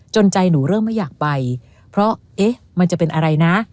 ใจหนูเริ่มไม่อยากไปเพราะเอ๊ะมันจะเป็นอะไรนะ